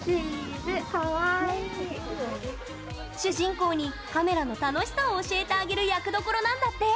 主人公にカメラの楽しさを教えてあげる役どころなんだって。